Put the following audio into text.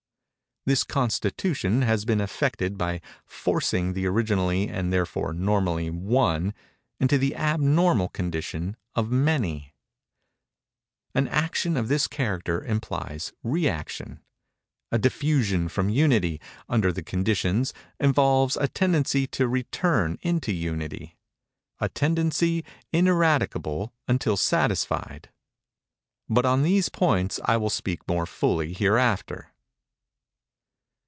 This constitution has been effected by forcing the originally and therefore normally One into the abnormal condition of Many. An action of this character implies rëaction. A diffusion from Unity, under the conditions, involves a tendency to return into Unity—a tendency ineradicable until satisfied. But on these points I will speak more fully hereafter.